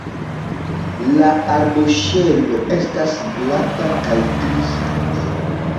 La arboŝelo estas glata kaj griza.